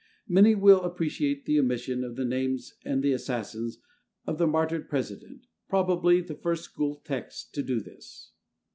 Many will appreciate the omission of the names of the assassins of the martyred President, probably the first school text to do this.